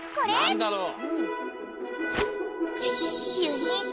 なんだろう？